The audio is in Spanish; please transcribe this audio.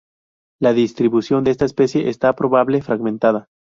La distribución de esta especie está probable fragmentada.